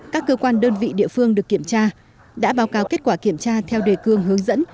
các cơ quan đơn vị địa phương được kiểm tra đã báo cáo kết quả kiểm tra theo đề cương hướng dẫn